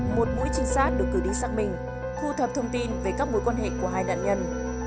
một mũi trinh sát được cử đi xác minh thu thập thông tin về các mối quan hệ của hai nạn nhân